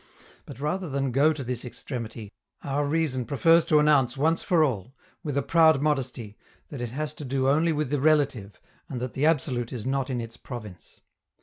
But, rather than go to this extremity, our reason prefers to announce once for all, with a proud modesty, that it has to do only with the relative, and that the absolute is not in its province.